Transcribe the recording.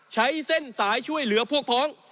ใช้เส้นสายช่วยเหลือพวกพ้อง